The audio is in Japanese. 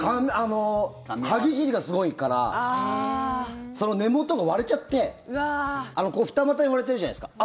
歯ぎしりがすごいから根元が割れちゃって二股に割れてるじゃないですか。